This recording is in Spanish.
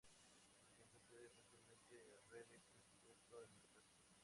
El presidente cede fácilmente y Radek es puesto en libertad.